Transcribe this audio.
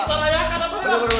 kita rayakan atuh